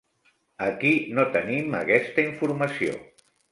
Aquí no tenim aquesta informació.